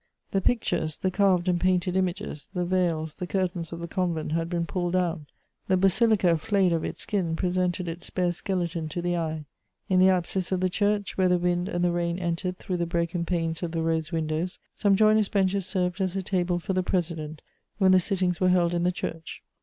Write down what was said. The pictures, the carved and painted images, the veils, the curtains of the convent had been pulled down; the basilica, flayed of its skin, presented its bare skeleton to the eye. In the apsis of the church, where the wind and the rain entered through the broken panes of the rose windows, some joiners' benches served as a table for the president, when the sittings were held in the church.